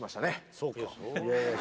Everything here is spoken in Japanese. そうか？